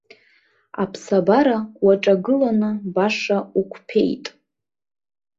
Аԥсабара уаҿагыланы баша уқәԥеит.